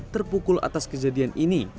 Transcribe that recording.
terpukul atas kejadian ini